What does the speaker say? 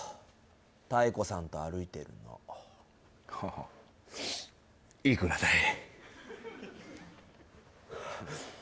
タイコさんと歩いてるのいくらだい？